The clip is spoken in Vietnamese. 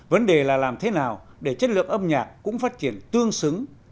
vấn đề là làm thế nào để chất lượng âm nhạc cũng phát triển tương xứng